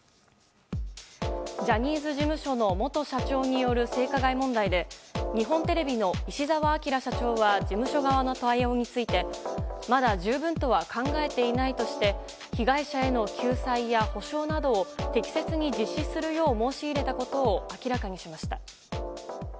ジャニーズ事務所の元社長による性加害問題で日本テレビの石澤顕社長は事務所側の対応についてまだ十分とは考えていないとして被害者への救済や補償などを適切に実施するよう申し入れたことを明らかにしました。